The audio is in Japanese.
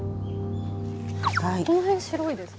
この辺白いですね。